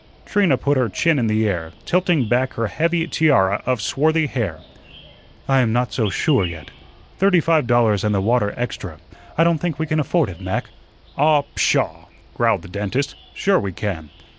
Trina put her chin in the air, tilting back her heavy tiara of swarthy hair. "I am not so sure yet. Thirty five dollars and the water extra. I don't think we can afford it, Mac." "Ah, pshaw!" growled the dentist, "sure we can."